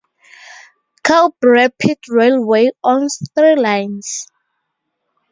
Kobe Rapid Railway owns three lines.